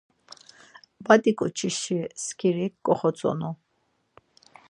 Badi ǩoçişi skirik koxotzonu.